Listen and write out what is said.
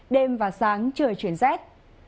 đêm và sáng trời chuyển rét